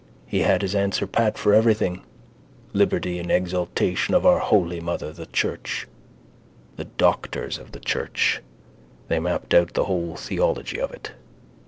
He had his answer pat for everything. Liberty and exaltation of our holy mother the church. The doctors of the church: they mapped out the whole theology of it.